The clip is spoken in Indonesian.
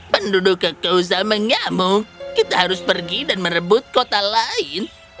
penduduk kokoza mengamung kita harus pergi dan merebut kota lain